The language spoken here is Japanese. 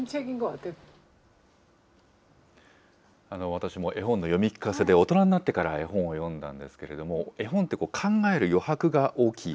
私も絵本の読み聞かせで、大人になってから絵本を読んだんですけれども、絵本って考える余白が大きい。